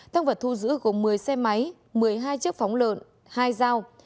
thăng vật thu giữ gồm một mươi xe máy một mươi hai chiếc phóng lợn hai dao